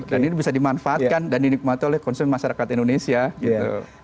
dan ini bisa dimanfaatkan dan dinikmati oleh konsumen masyarakat indonesia gitu